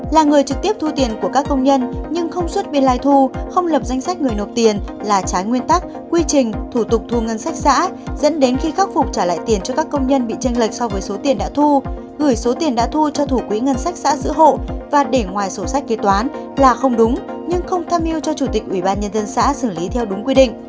là người trực tiếp thu tiền của các công nhân nhưng không xuất biên lai thu không lập danh sách người nộp tiền là trái nguyên tắc quy trình thủ tục thu ngân sách xã dẫn đến khi khắc phục trả lại tiền cho các công nhân bị tranh lệch so với số tiền đã thu gửi số tiền đã thu cho thủ quỹ ngân sách xã giữ hộ và để ngoài sổ sách kế toán là không đúng nhưng không tham mưu cho chủ tịch ủy ban nhân dân xã xử lý theo đúng quy định